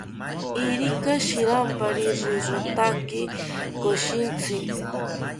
Irika shirampari rirotaki koshintzi